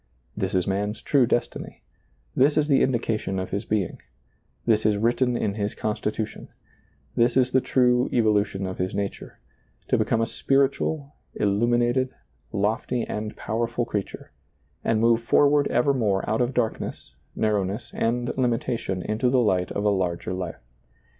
This is man's true destiny ; this is the indication of his being ; this is written in his con stitution ; this is the true evolution of his nature — to become a spiritual, illuminated, lofty and pow erful creature, and move forward evermore out of darkness, narrowness, and limitation into the light of a larger life.